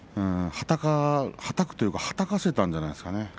はたくというかはたかせたんじゃないですかね。